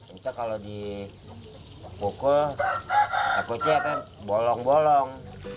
bisa kalau dikukul ekotnya akan bolong bolong